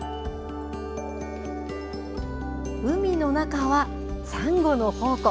海の中は、サンゴの宝庫。